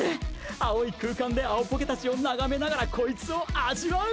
青い空間で青ポケたちを眺めながらコイツを味わう！